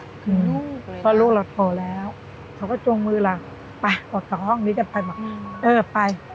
คือลูกแล้วตอนลูกเราโตแล้วเขาก็จงมือเรา